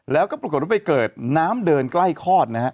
แล้วก็ปรากฏว่าไปเกิดน้ำเดินใกล้คลอดนะฮะ